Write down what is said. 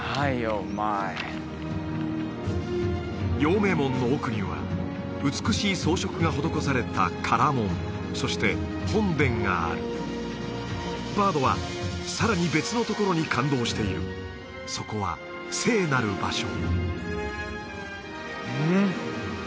陽明門の奥には美しい装飾が施された唐門そして本殿があるバードはさらに別のところに感動しているそこは聖なる場所